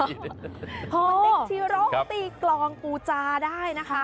ติ๊กจีโรตีกลองกูจาได้นะคะ